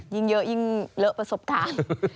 ยิ่งเยอะยิ่งเลอะประสบการณ์